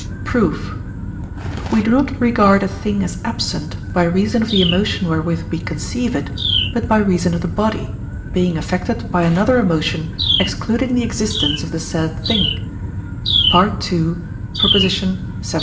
Proof. We do not regard a thing as absent, by reason of the emotion wherewith we conceive it, but by reason of the body, being affected by another emotion excluding the existence of the said thing (II. xvii.).